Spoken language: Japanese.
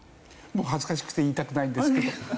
恥ずかしくて言いたくないんですけど。